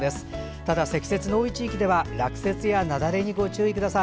ただ、積雪の多い地域では落雪や雪崩にご注意ください。